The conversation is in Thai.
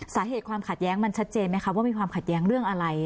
สาเหตุความขัดแย้งมันชัดเจนไหมคะว่ามีความขัดแย้งเรื่องอะไร